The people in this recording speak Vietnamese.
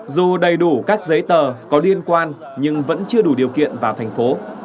dù đầy đủ các giấy tờ có liên quan nhưng vẫn chưa đủ điều kiện vào thành phố